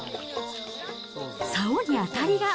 さおに当たりが。